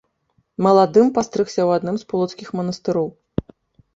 Маладым пастрыгся ў адным з полацкіх манастыроў.